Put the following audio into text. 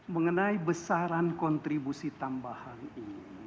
mengenai besaran kontribusi tambahan ini